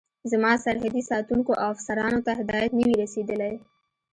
زما سرحدي ساتونکو او افسرانو ته هدایت نه وي رسېدلی.